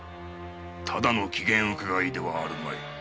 ただの機嫌うかがいではあるまい。